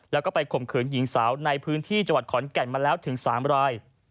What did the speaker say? แล้วก็ไปข่มขืนหญิงสาวในพื้นที่จังหวัดขอนแก่นมาแล้วถึง๓ราย